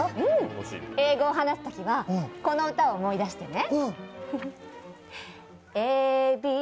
英語を話すときは、この歌を思い出してね。